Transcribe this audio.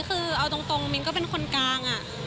คือเอาตรงมิ้นก็เป็นคนกลาง